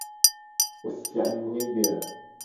Wo si ami egbe a?